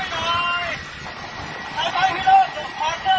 สายไม้สายไม้สายไม้